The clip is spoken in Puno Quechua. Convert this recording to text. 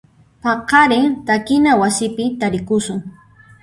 Paqarin takina wasipi tarikusun.